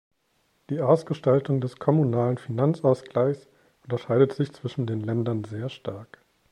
Die Ausgestaltung des kommunalen Finanzausgleichs unterscheidet sich zwischen den Ländern sehr stark.